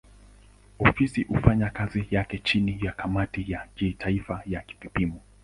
Ofisi hufanya kazi yake chini ya kamati ya kimataifa ya vipimo.